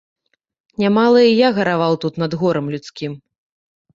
Нямала і я гараваў тут над горам людскім.